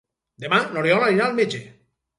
Demà n'Oriol anirà al metge.